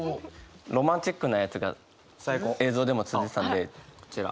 ロマンチックなやつが映像でも続いてたんでこちら。